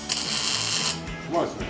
うまいですね。